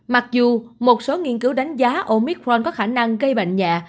mặc dù một số nghiên cứu đánh giá omicron có khả năng gây bệnh nhà